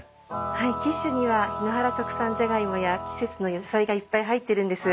はいキッシュには檜原特産じゃがいもや季節の野菜がいっぱい入ってるんです。